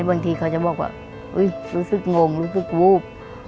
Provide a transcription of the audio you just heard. บางทีเขาจะบอกว่ารู้สึกงงรู้สึกวูบ